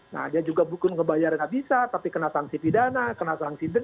nah dia juga bukan ngebayar nggak bisa tapi kena sanksi pidana kena sanksi denda